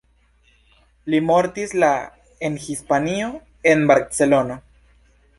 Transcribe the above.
Li mortis la en Hispanio en Barcelono.